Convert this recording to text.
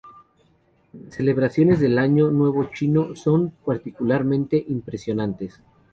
Las celebraciones del año nuevo chino son particularmente impresionantes.